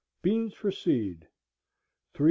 Beans for seed,.............................. 3.